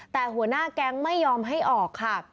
แต่หัวหน้าแก๊งไม่ยอมให้ออกค่ะ